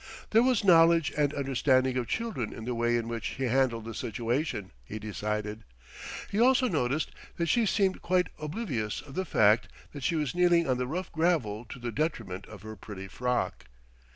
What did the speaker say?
There was knowledge and understanding of children in the way in which she handled the situation, he decided. He also noticed that she seemed quite oblivious of the fact that she was kneeling on the rough gravel to the detriment of her pretty frock.